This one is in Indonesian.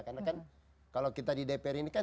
karena kan kalau kita di dpr ini kan